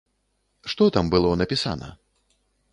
Што там было напісана?